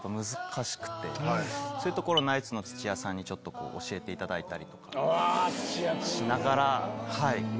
そういうところナイツの土屋さんに教えていただいたりとかしながら。